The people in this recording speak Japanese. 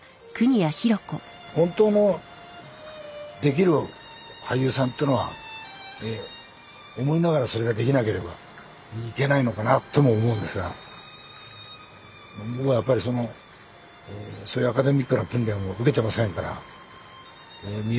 本当のできる俳優さんっていうのは思いながらそれができなければいけないのかなとも思うんですが僕はやっぱりそのそういうアカデミックな訓練を受けてませんから。